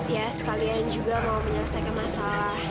ya sekalian juga mau menyelesaikan masalah